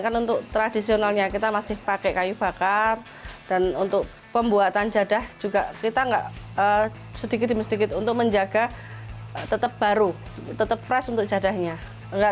kan untuk tradisionalnya kita masih pakai kayu bakar dan untuk pembuatan jadah juga kita enggak sedikit demi sedikit untuk menjaga tetap baru tetap fresh untuk jadahnya